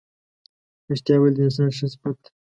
رښتیا ویل د انسان ښه صفت دی.